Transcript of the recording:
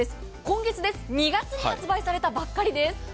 今月、２月に発売されたばかりです。